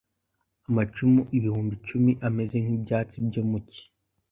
Amacumu ibihumbi icumi ameze nk'ibyatsi byo mu cyi